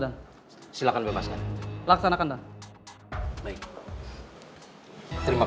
dan kamera cctv yang kami datang